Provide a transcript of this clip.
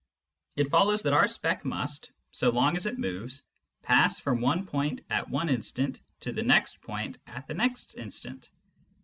It follows that our speck must, so long as it moves, pass from one point at one instant to the next point at the next instant.